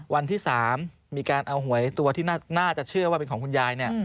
วันที่๓มีการเอาหวยตัวที่น่าจะเชื่อว่าเป็นของคุณยาย